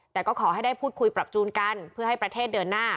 แต่ก็ขอให้ได้พูดคุยปรับจูนกันเพื่อให้ประเทศเดินหน้า